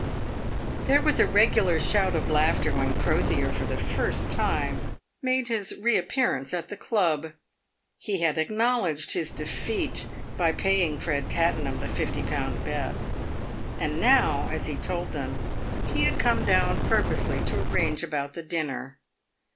There was a regular shout of laughter when Crosier, for the first time, made his reappearance at the club. He had acknowledged his defeat by paying Fred Tattenham the fifty pound bet. And now, as he told them, he had come down purposely to arrange about the dinner.